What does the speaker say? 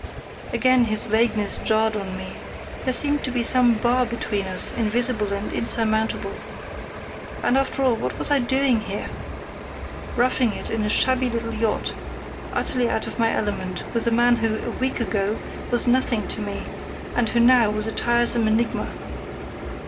Again his vagueness jarred on me; there seemed to be some bar between us, invisible and insurmountable. And, after all, what was I doing here? Roughing it in a shabby little yacht, utterly out of my element, with a man who, a week ago, was nothing to me, and who now was a tiresome enigma.